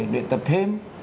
để tập thêm